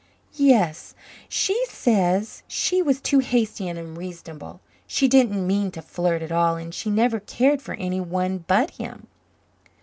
"Yes, she says she was too hasty and unreasonable. She didn't mean to flirt at all and she never cared for anyone but him.